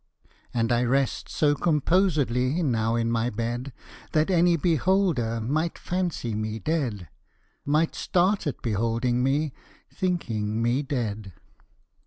And I rest so composedly, Now, in my bed, That any beholder Might fancy me dead Might start at beholding me, Thinking me dead.